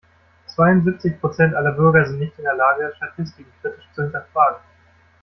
Zweiundsiebzig Prozent aller Bürger sind nicht in der Lage, Statistiken kritisch zu hinterfragen.